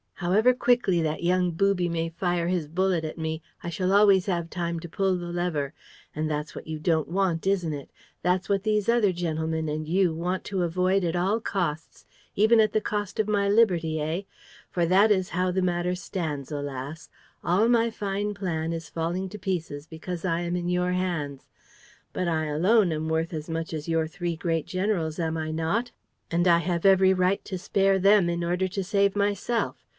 However quickly that young booby may fire his bullet at me, I shall always have time to pull the lever. And that's what you don't want, isn't it? That's what these other gentlemen and you want to avoid at all costs ... even at the cost of my liberty, eh? For that is how the matter stands, alas! All my fine plan is falling to pieces because I am in your hands. But I alone am worth as much as your three great generals, am I not? And I have every right to spare them in order to save myself.